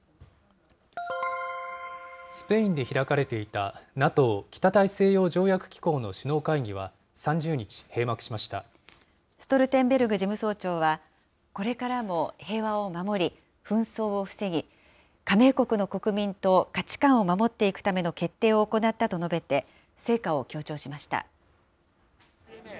スペインで開かれていたＮＡＴＯ・北大西洋条約機構の首脳会ストルテンベルグ事務総長は、これからも平和を守り、紛争を防ぎ、加盟国の国民と価値観を守っていくための決定を行ったと述べて、成果を強調しました。